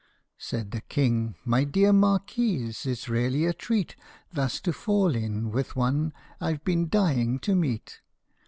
1 40 PUSS IN BOOTS. Said the King, " My dear Marquis, it 's really a treat Thus to fall in with one I Ve been dying to meet.